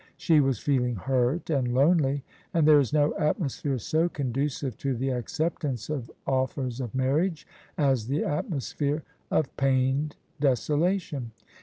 She was feeling hurt and lonely: and there is no atmosphere so conducive to the acceptance of offers of marriage as the atmosphere of pained desolation.